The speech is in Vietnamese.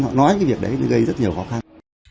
họ nói cái việc đấy gây rất nhiều khó khăn